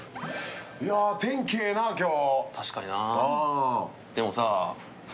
いや、天気ええな、今日。